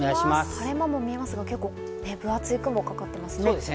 晴れ間も見えますが、結構分厚い雲がかかってますね。